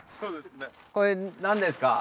これ何ですか？